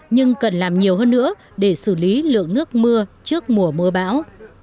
nhưng cần làm nhiều hơn nữa để xử lý lượng nước mưa trước mùa mưa bão